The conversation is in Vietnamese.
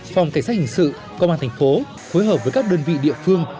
phòng cảnh sát hình sự công an thành phố phối hợp với các đơn vị địa phương